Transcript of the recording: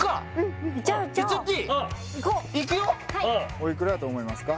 おいくらやと思いますか？